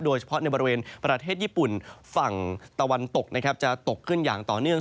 โดยเฉพาะในบริเวณประเทศญี่ปุ่นฝั่งตะวันตกนะครับจะตกขึ้นอย่างต่อเนื่อง